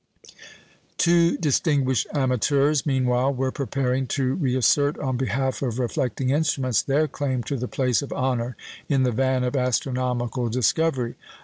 Two distinguished amateurs, meanwhile, were preparing to reassert on behalf of reflecting instruments their claim to the place of honour in the van of astronomical discovery.